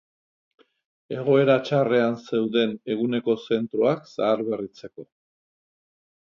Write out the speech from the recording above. Egoera txarrean zeuden eguneko zentroak zaharberritzeko.